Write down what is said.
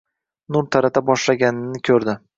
nur tarata boshlaganini ko‘rdi.